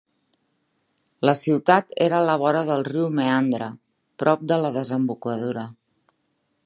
La ciutat era a la vora del riu Meandre, prop de la desembocadura.